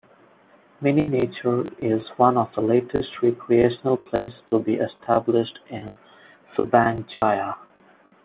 MinNature is one of the latest recreational place to be established in Subang Jaya.